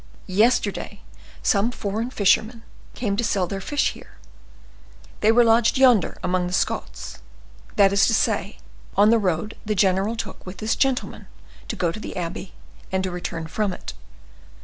Yesterday some foreign fishermen came to sell their fish here; they were lodged yonder among the Scots; that is to say, on the road the general took with this gentleman, to go to the abbey, and to return from it.